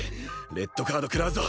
レッドカード食らうぞ。